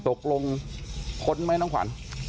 ตกลงค้นไหมน้องขวัญ